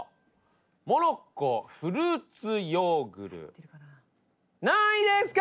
モロッコフルーツヨーグル何位ですか？